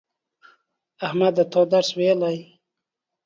احمده تا درس ویلی